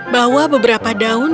bawa beberapa daun